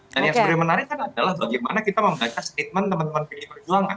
dan yang sebenarnya menarik adalah bagaimana kita membaca statement teman teman pdi perjuangan